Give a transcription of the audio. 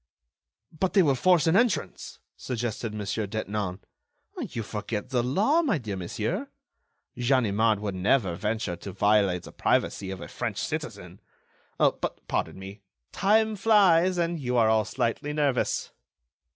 "But they will force an entrance," suggested Mon. Detinan. "You forget the law, my dear monsieur! Ganimard would never venture to violate the privacy of a French citizen. But, pardon me, time flies, and you are all slightly nervous."